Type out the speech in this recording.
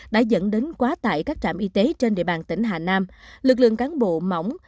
đã dẫn đến quá tại các trạm y tế trên địa bàn tỉnh hà nam lực lượng cán bộ mỏng